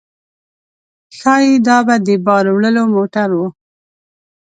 ښايي دا به د بار وړلو موټر و.